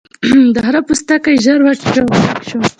د خرۀ پوستکی ژر وچ شو او کلک شو.